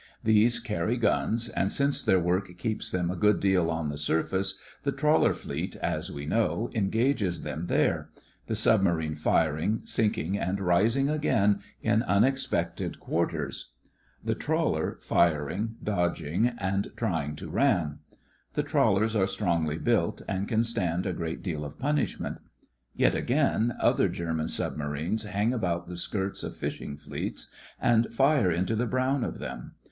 These carry guns, and since their work keeps them a good deal on the surface, the Traw ler Fleet, as we know, engages them there — the submarine firing, sinking, and rising again in unexpected qupr 16 THE FRINGES OF THE FLEET ters; the trawler firing, dodging, ano trying to ram. The trawlers are strongly built, and can stand a great deal of punishment. Yet again, other German submarines hang about the skirts of fishing fleets and fire into the brown of them.